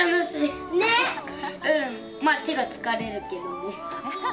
手が疲れるけどね。